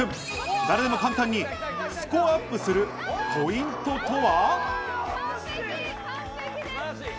誰でも簡単にスコアアップするポイントとは？